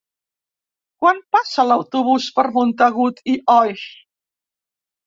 Quan passa l'autobús per Montagut i Oix?